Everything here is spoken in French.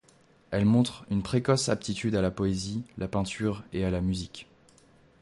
Elle montre une précoce aptitude à la poésie, la peinture et à la musique.